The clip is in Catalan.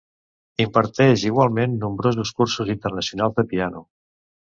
Imparteix igualment nombrosos cursos internacionals de piano.